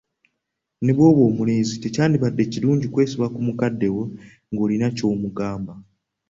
Ne bwoba omulenzi, tekyandibadde kilungi kwesimba ku mukadde wo ng'olina ky'omugamba.